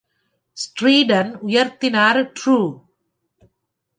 ஸ்ட்ரீட்டன் உயர்த்தினார் ரூ.